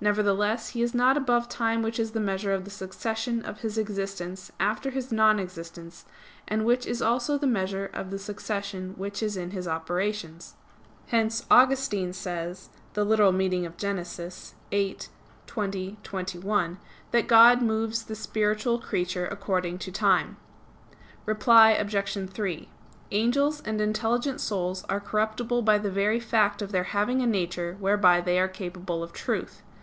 Nevertheless he is not above time which is the measure of the succession of his existence after his non existence, and which is also the measure of the succession which is in his operations. Hence Augustine says (Gen. ad lit. viii, 20,21) that "God moves the spiritual creature according to time." Reply Obj. 3: Angels and intelligent souls are incorruptible by the very fact of their having a nature whereby they are capable of truth.